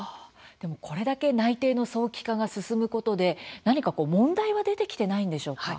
でも、これだけ内定の早期化が進むことで何か問題は出てきてないんでしょうか？